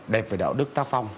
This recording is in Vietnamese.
đẹp về đạo đức tác phong